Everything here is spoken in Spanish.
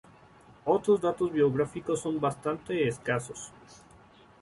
Otros datos biográficos son bastante escasos.